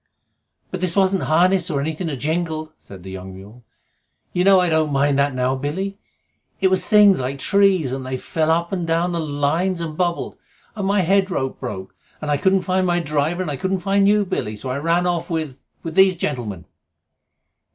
"But this wasn't harness or anything that jingled," said the young mule. "You know I don't mind that now, Billy. It was Things like trees, and they fell up and down the lines and bubbled; and my head rope broke, and I couldn't find my driver, and I couldn't find you, Billy, so I ran off with with these gentlemen."